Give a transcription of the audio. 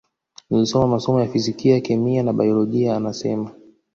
Nilisoma masomo ya fizikia kemia na baiolojia anasema